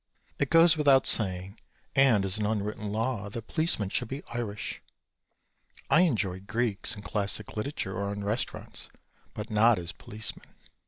It goes without saying and is an unwritten law that policemen should be Irish. I enjoy Greeks in classic literature or in restaurants, but not as policemen.